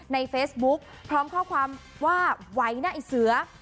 ในเฟซบุ๊กพร้อมข้อความว่าไหวนะไอ้เสือ